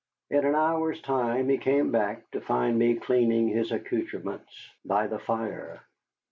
In an hour's time he came back to find me cleaning his accoutrements by the fire.